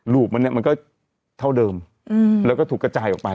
รูปมันเนี่ยมันก็เท่าเดิมแล้วก็ถูกกระจายออกไป